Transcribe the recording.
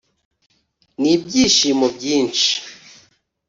n'ibyishimo byinshi,